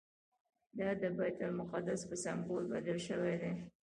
دا د بیت المقدس په سمبول بدل شوی دی.